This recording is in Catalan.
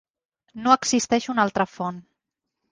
No existeix una altra font.